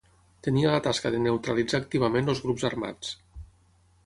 Tenia la tasca de neutralitzar activament els grups armats.